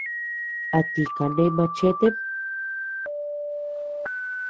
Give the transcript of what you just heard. ¿A ti kane machetem?